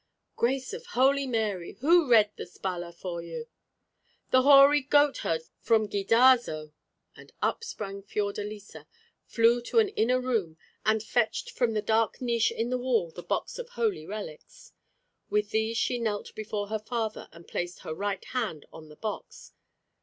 "Grace of Holy Mary! Who read the Spalla for you?" "The hoary goatherd from Ghidazzo." And up sprang Fiordalisa, flew to an inner room, and fetched from the dark niche in the wall the box of holy relics. With these she knelt before her father, and placed her right hand on the box.